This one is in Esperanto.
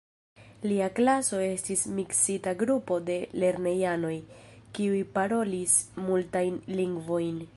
Lia klaso estis miksita grupo de lernejanoj, kiuj parolis multajn lingvojn.